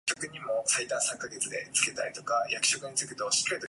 Symmetrical stretches and bends, however, tend to be Raman active.